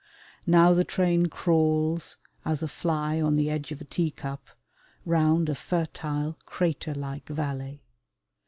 Now the train crawls, as a fly on the edge of a teacup, round a fertile crater like valley.